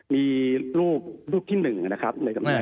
มีลูกลูกที่๑นะครับ